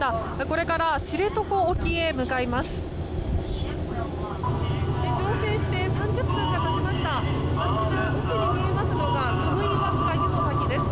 これから知床沖へ向かいます。